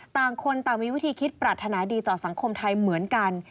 ต่างคนต่างมีวิธีคิดปรารถนาดีต่อสังคมไทยเหมือนกัน